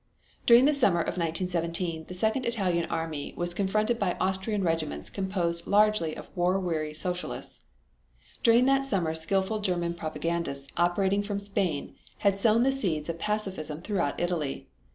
During the summer of 1917 the second Italian army was confronted by Austrian regiments composed largely of war weary Socialists. During that summer skilful German propagandists operating from Spain had sown the seeds of pacificism throughout Italy.